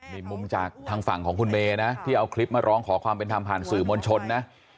มีมุมจากทางฝั่งของคุณเมย์นะที่เอาคลิปมาร้องขอความเป็นธรรมผ่านสื่อมวลชนนะ